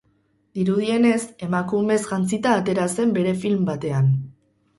Dirudienez, emakumez jantzita atera zen bere film batean.